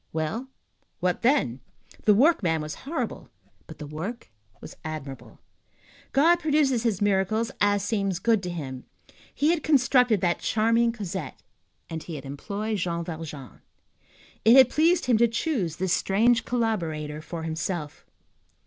Well, what then? The workman was horrible; but the work was admirable. God produces his miracles as seems good to him. He had constructed that charming Cosette, and he had employed Jean Valjean. It had pleased him to choose this strange collaborator for himself.